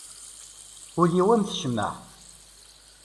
Ul-iw am tcemmaɛt.